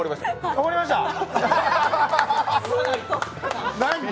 終わりましたか？